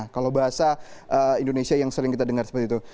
kalau bahasa indonesia yang sering kita dengar seperti itu